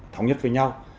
thống nhất với nhau